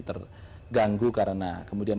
terganggu karena kemudian